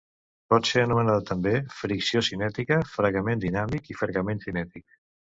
Pot ser anomenada també fricció cinètica, fregament dinàmic i fregament cinètic.